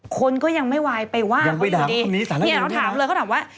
คนก็ยังไม่ไหวไปว่าเขาดูดิเนี่ยเราถามเลยเขาถามว่า